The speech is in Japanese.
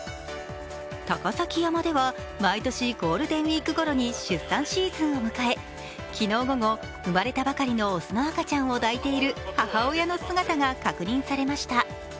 高崎山では毎年ゴールデンウイークごろに出産シーズンを迎え昨日午後、生まれたばかりの雄の赤ちゃんを抱いている母親の姿が確認されました。